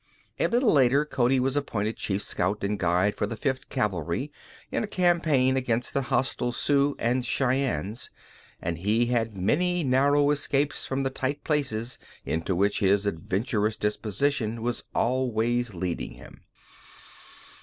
A little later Cody was appointed chief scout and guide for the Fifth Cavalry in a campaign against the hostile Sioux and Cheyennes, and he had many narrow escapes from the tight places into which his adventurous disposition was always leading him.